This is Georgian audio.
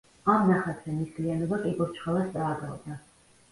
ამ ნახატზე ნისლიანობა კიბორჩხალას წააგავდა.